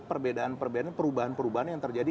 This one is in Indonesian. perbedaan perbedaan perubahan perubahan yang terjadi